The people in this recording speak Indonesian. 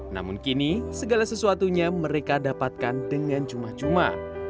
namun kini segala sesuatunya mereka dapatkan dengan cuma cuma